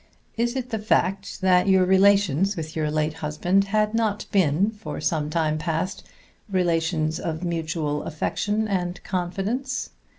Is it the fact that your relations with your late husband had not been, for some time past, relations of mutual affection and confidence?